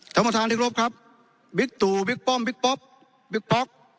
ธมาธารที่รบครับบิ๊กตูบิ๊กป้อมบิ๊กป๊อก